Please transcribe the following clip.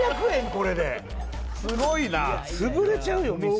これですごいな潰れちゃうよ店